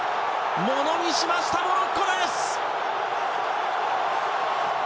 ものにしました、モロッコです！